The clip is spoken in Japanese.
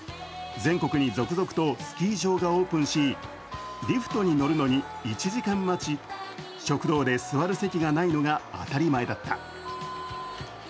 全国に続々とスキー場がオープンし、リフトに乗るのに１時間待ち、食堂で座る席がないのが当たり前だった。